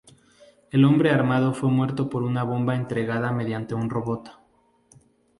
El hombre armado fue muerto por una bomba entregada mediante un robot.